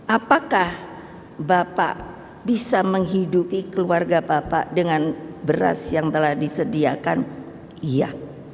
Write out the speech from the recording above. apakah bapak bisa menghidupi keluarga bapak dengan beras yang telah disediakan iya